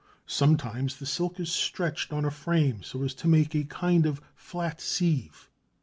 Sometimes the silk is stretched on a frame so as to make a kind of flat sieve.